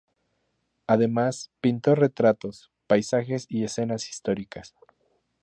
Además, pintó retratos, paisajes y escenas históricas.